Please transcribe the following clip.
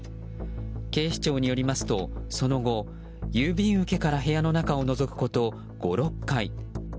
警視庁によりますとその後、郵便受けから部屋をのぞくこと５、６回。